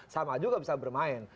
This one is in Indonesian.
sama juga bisa bermain